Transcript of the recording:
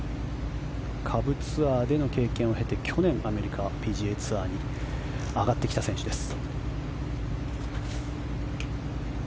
下部ツアーでの経験を経て去年、アメリカＰＧＡツアーに上がってきた選手です。